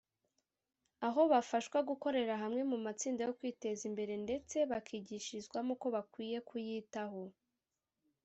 aho bafashwa gukorera hamwe mu matsinda yo kwiteza imbere ndetse bakigishirizwamo uko bakwiye kuyitaho